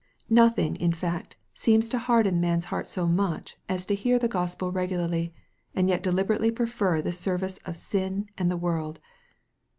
Nothing, in fact, seems to harden man's heart so much, as to hear the Gospel regularly, and yet deliberately prefer the ser vice of sin and the world.